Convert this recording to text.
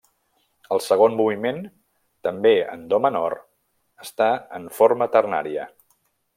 El segon moviment, també en do menor, està en forma ternària.